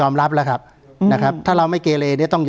การแสดงความคิดเห็น